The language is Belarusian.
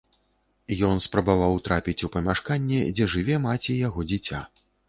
Ён спрабаваў трапіць у памяшканне, дзе жыве маці яго дзіця.